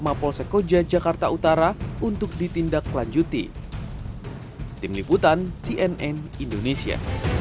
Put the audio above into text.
mapolsek koja jakarta utara untuk ditindaklanjuti tim liputan cnn indonesia